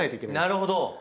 なるほど！